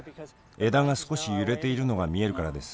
枝が少し揺れているのが見えるからです。